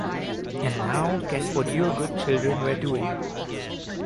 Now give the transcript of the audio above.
And now, guess what your good children were doing?